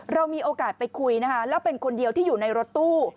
เรามีโอกาสไปคุยนะคะแล้วเป็นคนเดียวที่อยู่ในรถตู้